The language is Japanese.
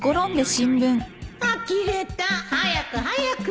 あきれた。早く早く